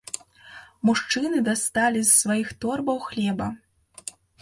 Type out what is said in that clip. Мужчыны дасталі з сваіх торбаў хлеба.